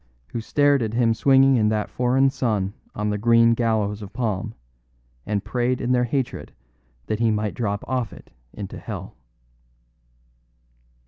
who stared at him swinging in that foreign sun on the green gallows of palm, and prayed in their hatred that he might drop off it into hell."